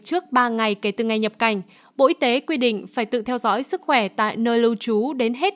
trước ba ngày kể từ ngày nhập cảnh bộ y tế quy định phải tự theo dõi sức khỏe tại nơi lưu trú đến hết